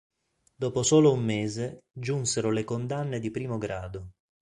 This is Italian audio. Dopo solo un mese, giunsero le condanne di primo grado.